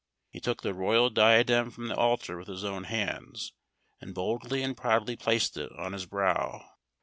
He took the royal diadem from the altar with his own hands, and boldly and proudly placed it on his brow.